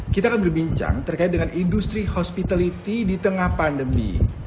kita akan berbincang terkait dengan industri hospitality di tengah pandemi